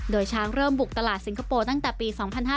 โดยช้างเริ่มบุกตลาดสิงคโปร์ตั้งแต่ปี๒๕๕๙